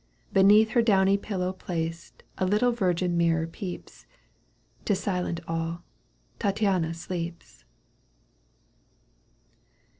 ^* Beneath her downy pillow placed, A little virgin mirror peeps. ' s silent all. Tattiana sleeps.